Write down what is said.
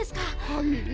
はい。